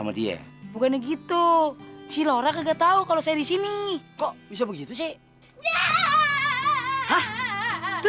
media bukannya gitu si laura nggak tahu kalau saya disini kok bisa begitu sih